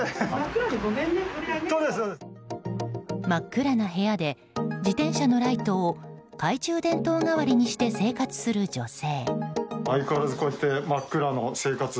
真っ暗な部屋で自転車のライトを懐中電灯代わりにして生活する女性。